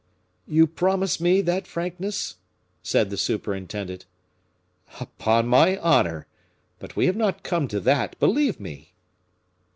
'" "You promise me that frankness?" said the superintendent. "Upon my honor! But we have not come to that, believe me."